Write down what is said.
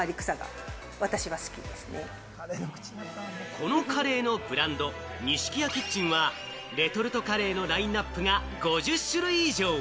このカレーのブランド、ニシキヤキッチンはレトルトカレーのラインナップが５０種類以上。